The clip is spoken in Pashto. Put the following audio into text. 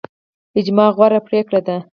اجماع غوره پریکړه ده